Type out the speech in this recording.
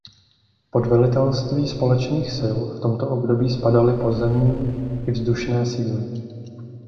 Pod Velitelství společných sil v tomto období spadaly pozemní i vzdušné síly.